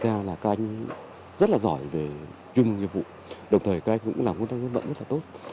thật ra là các anh rất là giỏi về chuyên nghiệp vụ đồng thời các anh cũng làm công tác dân vận rất là tốt